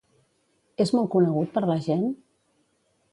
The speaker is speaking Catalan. És molt conegut per la gent?